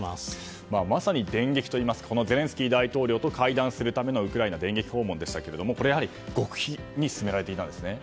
まさに電撃といいますがゼレンスキー大統領と会談するためのウクライナ電撃訪問でしたがこれはやはり極秘に進められていたんですね。